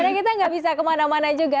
karena kita gak bisa kemana mana juga